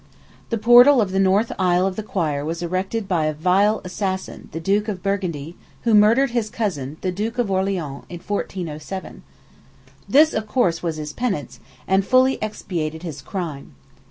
The portal of the north aisle of the choir was erected by a vile assassin, the Duke of Burgundy, who murdered his cousin, the Duke of Orleans, in 1407. This, of course, was his penance, and fully expiated his crime.